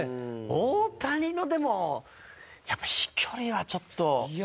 大谷のでもやっぱ飛距離はちょっと。